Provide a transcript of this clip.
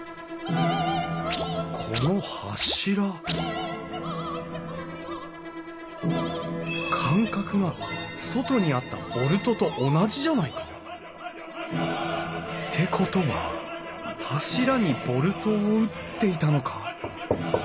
この柱間隔が外にあったボルトと同じじゃないか？ってことは柱にボルトを打っていたのか？